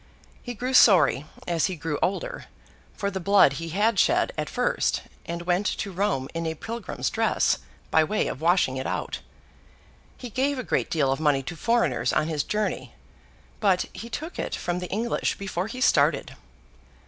He grew sorry, as he grew older, for the blood he had shed at first; and went to Rome in a Pilgrim's dress, by way of washing it out. He gave a great deal of money to foreigners on his journey; but he took it from the English before he started.